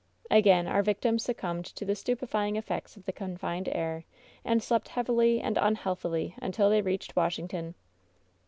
Again our victims succumbed to the stupefying effects of the confined air, and slept heavily and unhealthily until they reached Washington.